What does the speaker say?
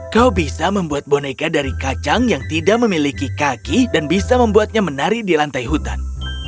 kau bisa membuat boneka dari kacang yang tidak memiliki kaki dan bisa membuatnya menari di lantai hutan